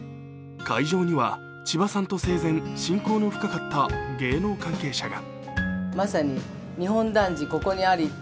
会場には千葉さんと生前、親交の深かった芸能関係者が。